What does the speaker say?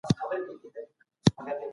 په ښوونځي کي د مطالعې ورځ ولمانځئ.